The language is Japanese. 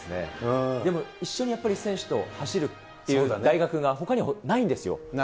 でも一緒に選手と走るという大学が、ほかにないんですよ。